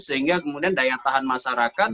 sehingga kemudian daya tahan masyarakat